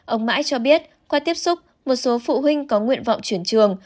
ông mãi cho biết qua tiếp xúc một số phụ huynh có nguyện vọng chuyển trường